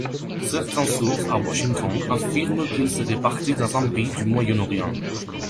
Certaines sources à Washington affirment qu'il serait parti dans un pays du Moyen-Orient.